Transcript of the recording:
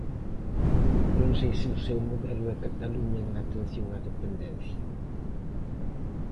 Non sei se o seu modelo é Cataluña en atención á dependencia.